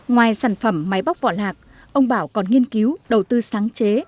ngoài sản phẩm máy bóc vỏ lạc ông bảo còn nghiên cứu đầu tư sáng chế